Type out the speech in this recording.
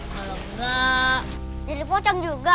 kalau enggak jadi pocong juga